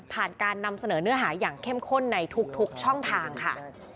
การนำเสนอเนื้อหาอย่างเข้มข้นในทุกช่องทางค่ะ